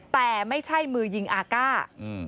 แต่ไม่ใช่มือยิงอาก้า